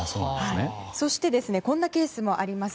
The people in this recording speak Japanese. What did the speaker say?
そしてこんなケースもあります。